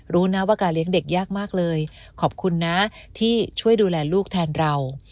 รู้นะว่าการเลี้ยงเด็กยากมากเลยขอบคุณนะที่ช่วยดูแลลูกแทนเรา